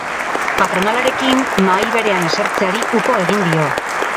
Patronalarekin mahai berean esertzeari uko egin dio.